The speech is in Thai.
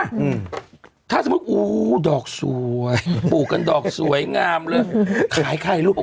มาถ้าสมมุติอู้ดอกสวยปลูกกันดอกสวยงามคลายลูก